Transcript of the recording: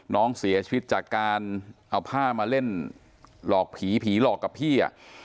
น้องเสียชีวิตจากการเอาผ้ามาเล่นหลอกผีผีหลอกกับพี่